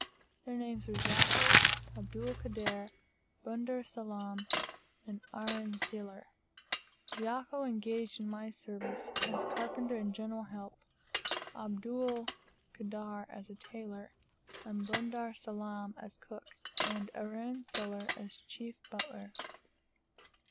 Their names were Jako, Abdul Kader, Bunder Salaam, and Aranselar; Jako engaged in my service, as carpenter and general help; Abdul Kader as a tailor, Bunder Salaam as cook, and Aranselar as chief butler.